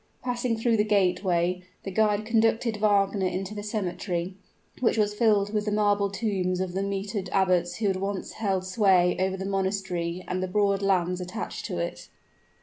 Passing through the gateway, the guide conducted Wagner into a cemetery, which was filled with the marble tombs of the mitered abbots who had once held sway over the monastery and the broad lands attached to it.